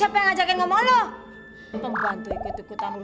bukan banget sih bang